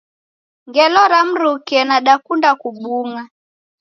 Ngelo ra mruke nadakunda kubung'a